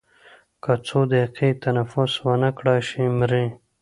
که څو دقیقې تنفس ونه کړای شي مري.